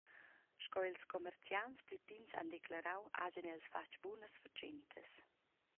Sco ils commerciants pli pigns han declarau, hagien els fatg bunas fatschentas.